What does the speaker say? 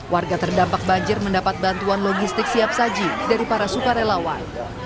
warga terdampak banjir mendapat bantuan logistik siap saji dari para sukarelawan